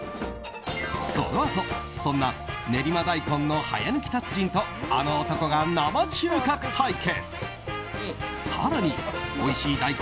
このあとそんな練馬大根の早抜き達人とあの男が生収穫対決。